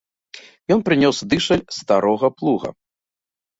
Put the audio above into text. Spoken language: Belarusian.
Ён прынёс дышаль з старога плуга.